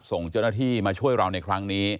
ส่งเจ้าหน้าที่มาช่วยเราในครั้งนี้